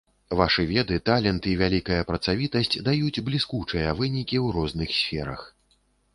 Вашы веды, талент і вялікая працавітасць даюць бліскучыя вынікі ў розных сферах.